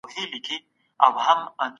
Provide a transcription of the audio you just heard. راټول سوي اطلاعات باید تجزیه او تحلیل سي.